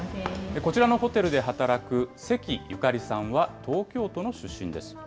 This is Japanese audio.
こちらのホテルで働く碩由佳理さんは東京都の出身です。